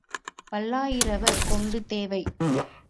பல்லாயிரவர் தொண்டு தேவை.